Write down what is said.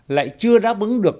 lại chưa đáp ứng được